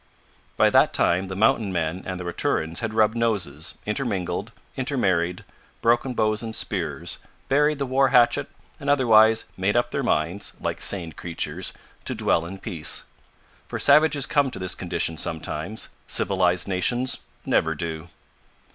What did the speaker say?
By that time the Mountain men and the Raturans had rubbed noses, intermingled, intermarried, broken bows and spears, buried the war hatchet and otherwise made up their minds, like sane creatures, to dwell in peace; for savages come to this condition sometimes civilised nations never do!